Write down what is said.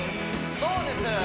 そうです